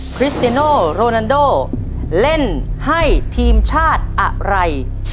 คริสติโนโรนันโดเล่นให้ทีมชาติอะไร